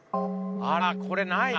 あらこれないな。